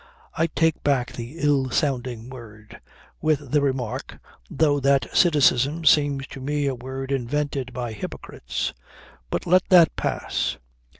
I take back the ill sounding word, with the remark, though, that cynicism seems to me a word invented by hypocrites. But let that pass.